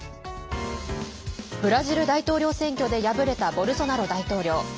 ブラジル大統領選挙で破れたボルソナロ大統領。